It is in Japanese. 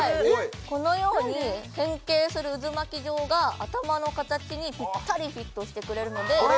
このように変形する渦巻き状が頭の形にぴったりフィットしてくれるのであ